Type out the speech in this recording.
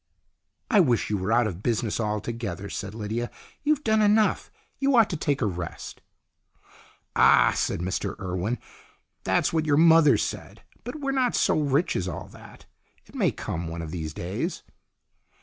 " I wish you were out of business altogether," said Lydia. "You've done enough. You ought to take a rest." "Ah!" said Mr Urwen. "That's what your mother said. But we're not so rich as all that. It may come, one of these days."